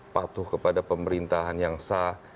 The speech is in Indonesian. patuh kepada pemerintahan yang sah